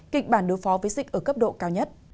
kịch bản đối phó với dịch ở cấp độ cao nhất